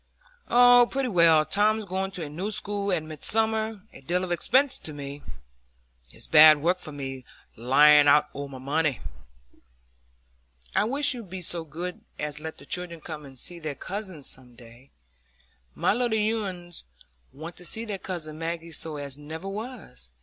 "Oh, pretty well. Tom's going to a new school at Midsummer,—a deal of expense to me. It's bad work for me, lying out o' my money." "I wish you'd be so good as let the children come and see their cousins some day. My little uns want to see their cousin Maggie so as never was.